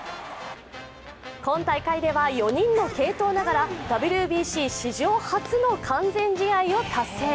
今大会では４人の継投ながらＷＢＣ史上初の完全試合を達成。